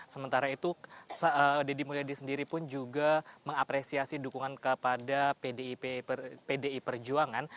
sementara itu deddy mulyadi sendiri pun juga mengapresiasi dukungan kepada pdi perjuangan